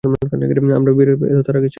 আমার বিয়ের এতো তাড়া কীসের?